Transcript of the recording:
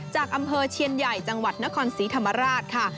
จากอำเภอเชียนใหญ่จังหวัดนครศรีธรรมราชค่ะ